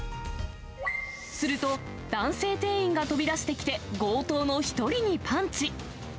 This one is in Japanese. すると、男性店員が飛び出してきて、強盗の１人にパンチ。